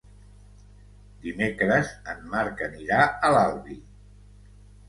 Dimecres en Marc anirà a l'Albi.